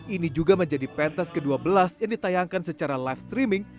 ini juga menjadi pentas ke dua belas yang ditayangkan secara live streaming